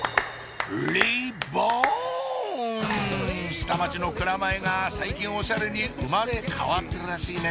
下町の蔵前が最近オシャレに生まれ変わってるらしいね